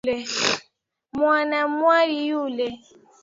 Mwanamwali yule.